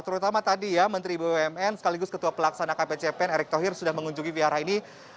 terutama tadi ya menteri bumn sekaligus ketua pelaksana kpcpen erick thohir sudah mengunjungi vihara ini